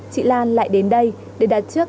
chị lan lại đến đây để đặt trước